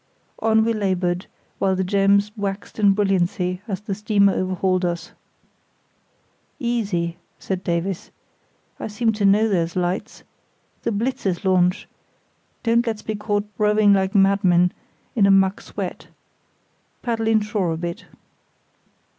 On we laboured, while the gems waxed in brilliancy as the steamer overhauled us. "Easy," said Davies, "I seem to know those lights—the Blitz's launch—don't let's be caught rowing like madmen in a muck sweat. Paddle inshore a bit."